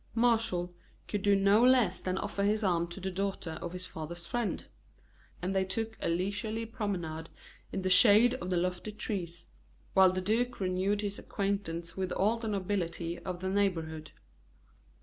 Martial could do no less than offer his arm to the daughter of his father's friend; and they took a leisurely promenade in the shade of the lofty trees, while the duke renewed his acquaintance with all the nobility of the neighborhood.